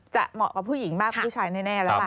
เหมาะกับผู้หญิงมากกว่าผู้ชายแน่แล้วล่ะ